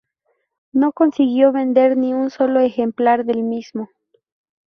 No consiguió vender ni un solo ejemplar del mismo.